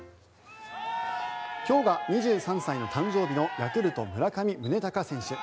今日が２３歳の誕生日のヤクルト、村上宗隆選手。